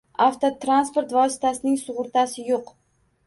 Avtotransport vositasining sug‘urtasi yo‘q